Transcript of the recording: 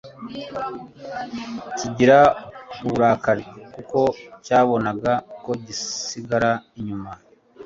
kigira uburakari kuko cyabonaga ko gisigara inyuma.